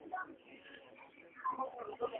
Desde entonces no se ha vuelto a emitir.